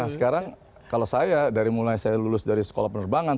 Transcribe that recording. nah sekarang kalau saya dari mulai saya lulus dari sekolah penerbangan